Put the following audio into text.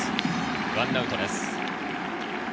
１アウトです。